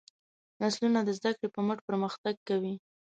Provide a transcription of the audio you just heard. نسلونه د زدهکړې په مټ پرمختګ کوي.